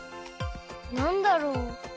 なんだろう？